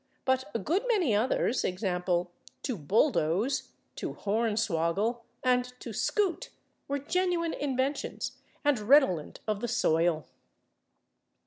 But a good many others, /e. g./, /to bulldoze/, /to hornswoggle/ and /to scoot/, were genuine inventions, and redolent of the soil.